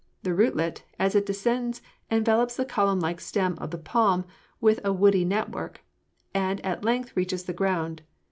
The rootlet, as it descends, envelops the column like stem of the palm with a woody network, and at length reaches the ground.